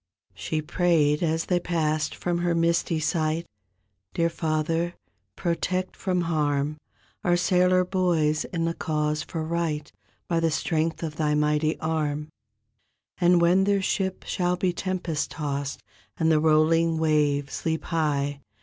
She prayed as they passed from her misty sight, "Dear Father, protect from harm Our sailor boys in the cause for right. By the strength of Thy mighty arm; And when their ship shall be tempest tossed And the rolling waves leap high.